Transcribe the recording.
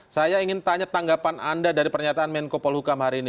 saya ingin tanya tanggapan anda dari pernyataan menko polhukam hari ini